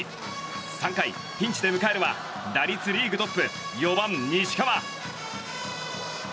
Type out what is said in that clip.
３回、ピンチで迎えるは打率リーグトップ４番、西川。